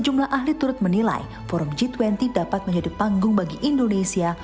sejumlah ahli turut menilai forum g dua puluh dapat menjadi panggung bagi indonesia